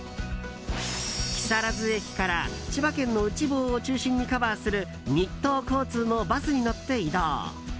木更津駅から千葉県の内房を中心にカバーする日東交通のバスに乗って移動。